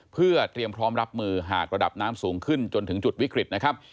เพื่อเตรียมพร้อมรับมือหากระดับน้ำสูงขึ้นจนถึงจุดวิกฤตนะครับ